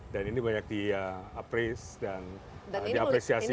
dan ini banyak di appreace dan diapresiasi